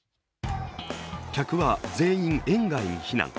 客は全員、園外に避難。